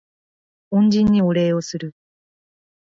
恩人にお礼をする